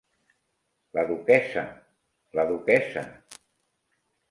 La duquessa, la duquessa!